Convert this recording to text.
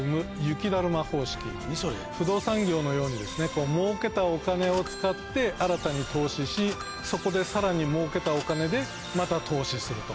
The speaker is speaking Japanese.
不動産業のようにもうけたお金を使って新たに投資しそこでさらにもうけたお金でまた投資すると。